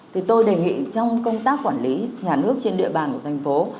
thì tôi đề nghị trong công tác quản lý nhà nước trên địa bàn của thành phố